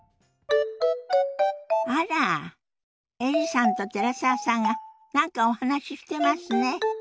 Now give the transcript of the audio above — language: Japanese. あらエリさんと寺澤さんが何かお話ししてますね。